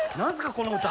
この歌。